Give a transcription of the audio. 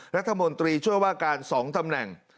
รัฐมนตรีช่วยว่าการ๒ตำแหน่ง